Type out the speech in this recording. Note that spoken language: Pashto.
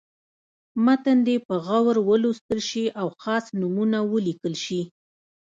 متن دې په غور ولوستل شي او خاص نومونه ولیکل شي.